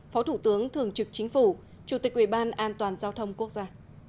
phó thủ tướng thường trực chính phủ chủ tịch ủy ban an toàn giao thông quốc gia